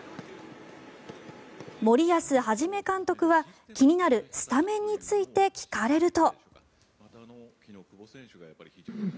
森保一監督は気になるスタメンについて聞かれると。